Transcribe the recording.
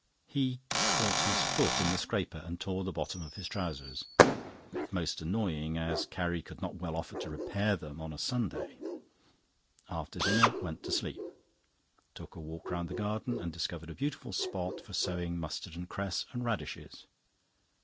He caught his foot in the scraper, and tore the bottom of his trousers. Most annoying, as Carrie could not well offer to repair them on a Sunday. After dinner, went to sleep. Took a walk round the garden, and discovered a beautiful spot for sowing mustard and cress and radishes.